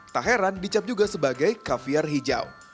tak heran dicap juga sebagai kafiar hijau